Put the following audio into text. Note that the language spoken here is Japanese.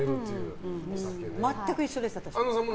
全く一緒です、私。